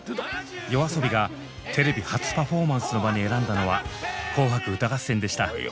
ＹＯＡＳＯＢＩがテレビ初パフォーマンスの場に選んだのは「紅白歌合戦」でした。